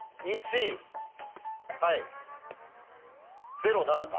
０７か。